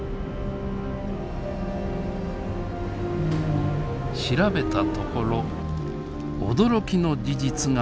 調べたところ驚きの事実が明らかになりました。